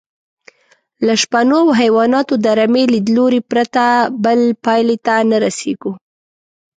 له شپنو او حیواناتو د رمې لیدلوري پرته بلې پایلې ته نه رسېږو.